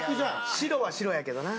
白は白やけどな。